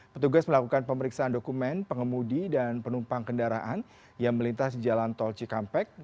petugas melakukan pemeriksaan dokumen pengemudi dan penumpang kendaraan yang melintas di jalan tol cikampek